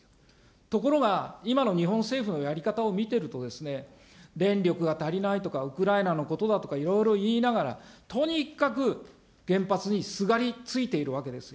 ところが、今の日本政府のやり方を見てると、電力が足りないとか、ウクライナのことだとか、いろいろ言いながら、とにかく原発にすがりついているわけですよ。